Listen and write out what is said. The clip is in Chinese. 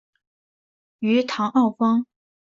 于唐奥方。